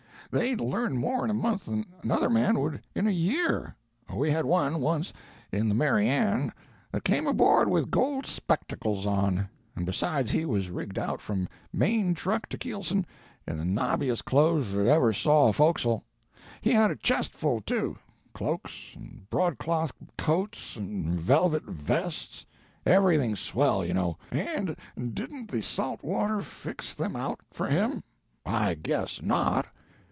They'd learn more in a month than another man would in a year. We had one, once, in the Mary Ann, that came aboard with gold spectacles on. And besides, he was rigged out from main truck to keelson in the nobbiest clothes that ever saw a fo'castle. He had a chestful, too: cloaks, and broadcloth coats, and velvet vests; everything swell, you know; and didn't the saltwater fix them out for him? I guess not!